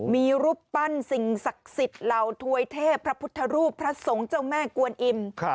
มีรูปปั้นสิ่งศักดิ์สิทธิ์เหล่าถวยเทพพระพุทธรูปพระสงฆ์เจ้าแม่กวนอิ่ม